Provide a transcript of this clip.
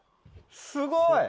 すごい！